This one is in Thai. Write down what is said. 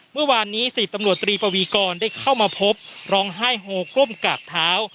เมื่อวานนี้๑๐ตำรวจตรีปวีกรได้เข้ามาพบร้องไห้โฮกล้มกราบเท้า